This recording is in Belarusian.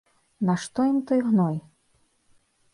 Нашто ім той гной?